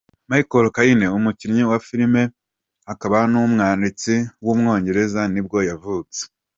Michael Caine, umukinnyi wa filime akaba n’umwanditsi w’umwongereza nibwo yavutse.